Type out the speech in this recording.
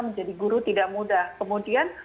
menjadi guru tidak mudah kemudian